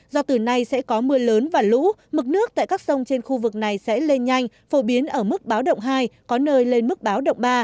do từ nay sẽ có mưa lớn và lũ mực nước tại các sông trên khu vực này sẽ lên nhanh phổ biến ở mức báo động hai có nơi lên mức báo động ba